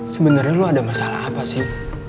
sebenarnya lo ada masalah apa sih